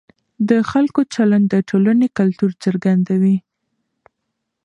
د خلکو چلند د ټولنې کلتور څرګندوي.